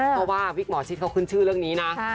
เพราะว่าวิกหมอชิดเขาขึ้นชื่อเรื่องนี้นะ